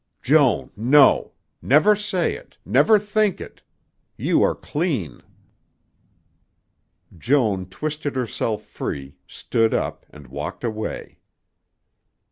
"Joan! No! Never say it, never think it. You are clean." Joan twisted herself free, stood up, and walked away.